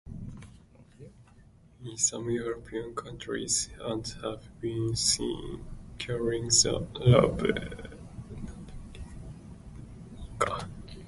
In some European countries ants have been seen carrying the larvae.